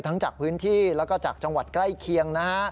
ทั้งจากพื้นที่และจากจังหวัดใกล้เคียง